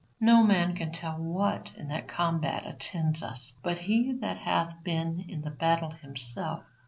No man can tell what in that combat attends us but he that hath been in the battle himself.